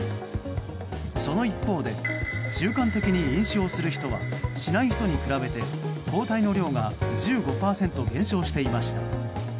その一方で習慣的に飲酒をする人はしない人に比べて抗体の量が１５％減少していました。